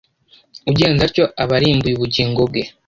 Ugenza atyo aba arimbuye ubugingo bwe